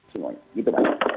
semuanya gitu pak